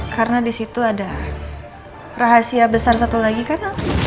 karena disitu ada rahasia besar satu lagi kan